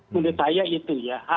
menurut saya itu ya